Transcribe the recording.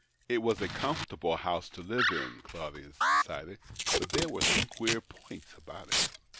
It was a comfortable house to live in, Claudius decided, but there were some queer points about it.